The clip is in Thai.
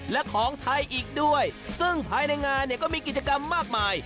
และของไทยอีกด้วยซึ่งภายในงานเนี่ยก็มีกิจกรรมมากมาย